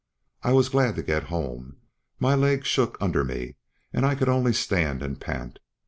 I was glad to get home; my legs shook under me, and I could only stand and pant.